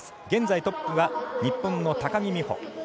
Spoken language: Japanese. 現在トップは日本の高木美帆。